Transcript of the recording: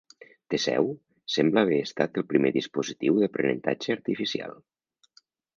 Teseu sembla haver estat el primer dispositiu d'aprenentatge artificial.